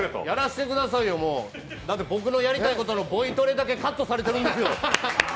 やらせてくださいよもう、僕のやりたいボイトレだけカットされてるんですよ。